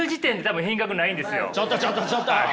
ちょっとちょっとちょっと！